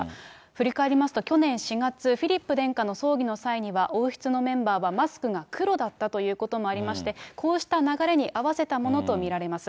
振り返りますと、去年４月、フィリップ殿下の葬儀の際には、王室のメンバーはマスクが黒だったということもありまして、こうした流れに合わせたものと見られます。